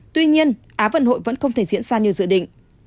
tuy nhiên á vận hội vẫn không thể diễn ra như dự định